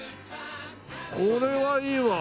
これはいいね。